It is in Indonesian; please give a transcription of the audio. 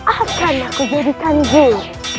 akan aku jadikan diri